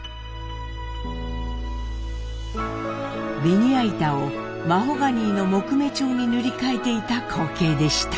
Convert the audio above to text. べニヤ板をマホガニーの木目調に塗り替えていた光景でした。